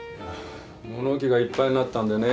物置がいっぱいになったんでね